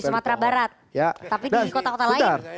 itu di sumatera barat tapi di kota kota lain